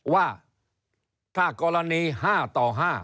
ว่าถ้ากรณี๕ต่อ๕